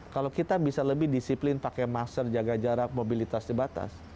kalau kita bisa lebih disiplin pakai master jaga jarak mobilitas di batas